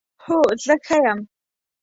هو، زه ښه یم